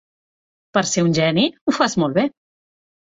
Per ser un geni, ho fas molt bé.